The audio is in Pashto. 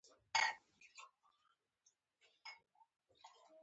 دهمدې اهرامونو شاته فرعون د یوه تن ستره مجسمه جوړه کړې وه.